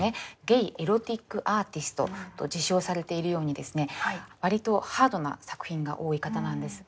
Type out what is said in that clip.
ゲイ・エロティック・アーティストと自称されているようにですね割とハードな作品が多い方なんです。